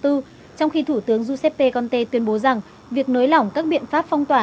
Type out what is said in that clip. trong khi thủ tướng giuseppe conte tuyên bố rằng việc nới lỏng các biện pháp phong tỏa